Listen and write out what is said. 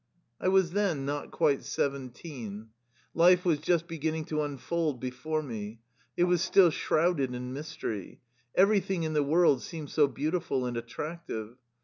I was then not quite seventeen. Life was just beginning to unfold before me. It was still shrouded in mystery. Everything in the world seemed so beautiful and attractive.